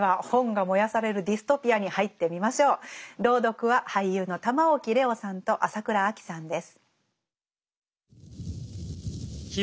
朗読は俳優の玉置玲央さんと朝倉あきさんです。